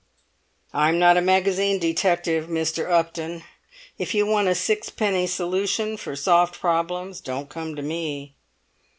I'm not a magazine detective, Mr. Upton; if you want a sixpenny solution for soft problems, don't come to me!"